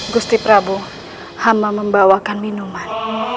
gusti prabowo hama membawakan minuman